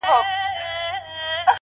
پاڅه چي ځو ترې . ه ياره.